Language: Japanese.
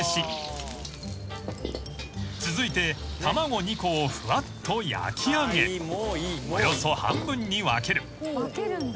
［続いて卵２個をふわっと焼きあげおよそ半分に分ける］